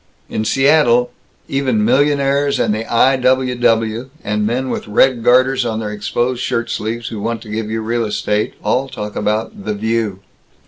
In Seattle, even millionaires, and the I. W. W., and men with red garters on their exposed shirt sleeves who want to give you real estate, all talk about the View.